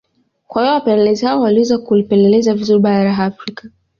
Kwa hiyo wapelezi hao waliweza kulipeleleza vizuri bara la Afrika